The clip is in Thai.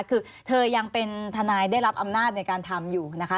คือเธอยังเป็นทนายได้รับอำนาจในการทำอยู่นะคะ